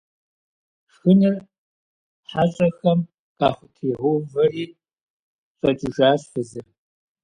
Шхыныр хьэщӀэхэм къахутригъэувэри щӏэкӏыжащ фызыр.